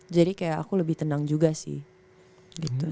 jadi kayak aku lebih tenang juga sih